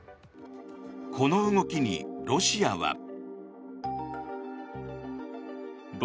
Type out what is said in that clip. この動きにロシアは。